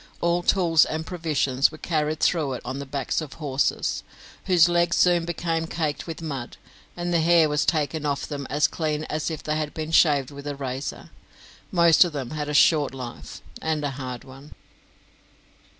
All tools and provisions were carried through it on the backs of horses, whose legs soon became caked with mud, and the hair was taken off them as clean as if they had been shaved with a razor. Most of them had a short life and a hard one.